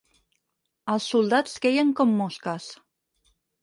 Els soldats queien com mosques.